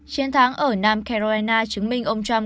chiến thắng ở nam carolina chứng minh ông trump